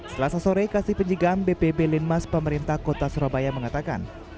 selasa sore kasih penjagaan bpb linmas pemerintah kota surabaya mengatakan